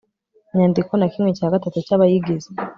nyandiko na kimwe cya gatatu cy abayigize